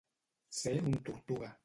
Ser una tortuga.